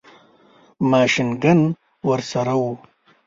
ماشین ګن ورسره وو.